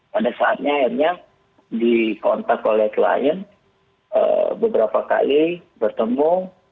pada saatnya akhirnya dikontak oleh klien beberapa kali bertemu